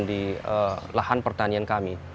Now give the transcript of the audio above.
di lahan pertanian kami